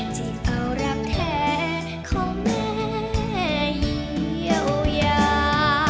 จิตเอารับแท้ของแม่ยี่โยยา